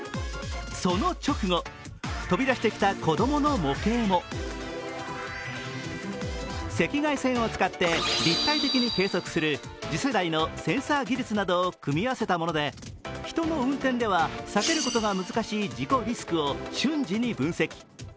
その直後、飛び出してきた子供の模型も赤外線を使って立体的に計測する次世代のセンサー技術などを組み合わせたもので人の運転では避けることが難しい事故リスクを瞬時に分析。